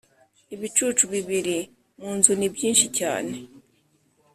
ibicucu bibiri munzu ni byinshi cyane